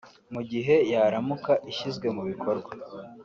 mu gihe yaramuka ishyizwe mu bikorwa